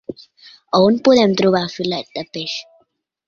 On podem trobar filet de peix?